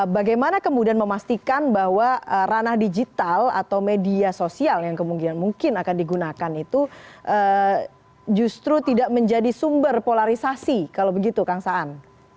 bagaimana kemudian memastikan bahwa ranah digital atau media sosial yang kemungkinan mungkin akan digunakan itu justru tidak menjadi sumber polarisasi kalau begitu kang saan